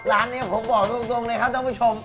ร้านนี้ผมบอกจริงเลยครับต้องไปชม